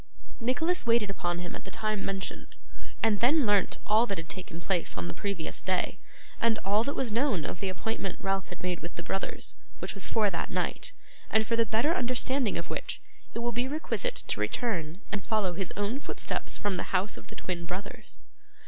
Nicholas waited upon him at the time mentioned, and then learnt all that had taken place on the previous day, and all that was known of the appointment Ralph had made with the brothers; which was for that night; and for the better understanding of which it will be requisite to return and follow his own footsteps from the house of the twin brothers.